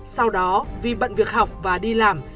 sau đó vì bận việc học và đi làm